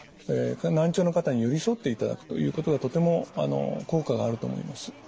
難聴の方に寄り添っていただくということがとても効果があると思います。